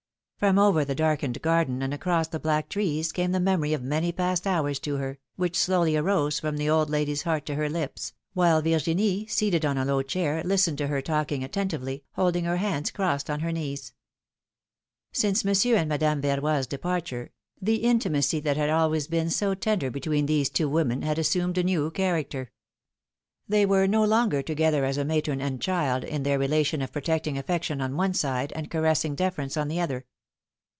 From over the darkened garden and across the black trees came the memory of many past hours to her, which slowly arose from the old lady^s heart to her lips, while Virginie, seated on a low chair, listened to her talking attentively, holding her hands crossed on her knees. Since Monsieur and Madame Verroy^s departure, the intimacy that had always been so tender between these two women had^ assumed a new character. They were no longer together as a matron and a child in their relation of protecting affection on one side, and caressing deference on the other.